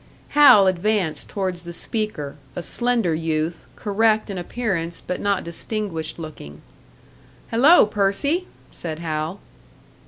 Hal advanced towards the speaker, a slender youth, correct in appearance, but not distinguished looking. "Hello, Percy!" said Hal.